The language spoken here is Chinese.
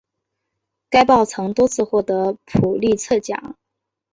该报曾多次获得普利策奖。